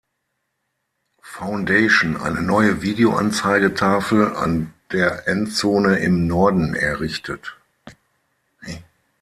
Foundation" eine neue Video-Anzeigetafel an der Endzone im Norden errichtet.